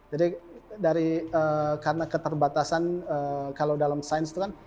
jadi karena keterbatasan kalau dalam sains itu kan